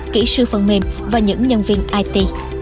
kỹ sư phần mềm và những nhân viên it